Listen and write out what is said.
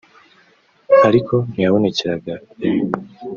ariko ntiyabonekeraga rimwe